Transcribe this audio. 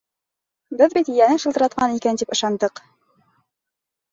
Беҙ бит ейәнең шылтыратҡан икән тип ышандыҡ.